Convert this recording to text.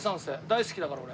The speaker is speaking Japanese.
大好きだから俺。